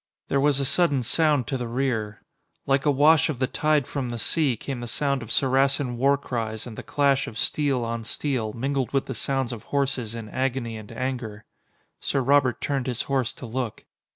There was a sudden sound to the rear. Like a wash of the tide from the sea came the sound of Saracen war cries and the clash of steel on steel mingled with the sounds of horses in agony and anger. Sir Robert turned his horse to look.